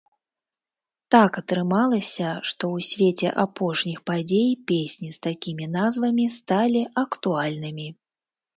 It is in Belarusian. Так атрымалася, што ў свеце апошніх падзей песні з такімі назвамі сталі актуальнымі.